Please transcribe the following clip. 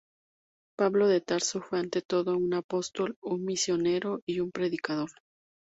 Pablo de Tarso fue ante todo un apóstol, un misionero y un predicador.